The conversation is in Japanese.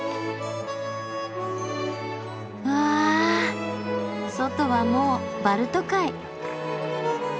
うわぁ外はもうバルト海。